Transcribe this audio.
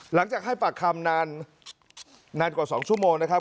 หลังจากให้ปากคำนานกว่า๒ชั่วโมงนะครับ